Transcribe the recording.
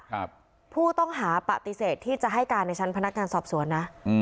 ครับผู้ต้องหาปฏิเสธที่จะให้การในชั้นพนักงานสอบสวนนะอืม